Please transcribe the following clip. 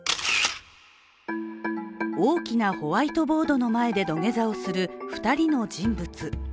大きなホワイトボードの前で土下座をする２人の人物。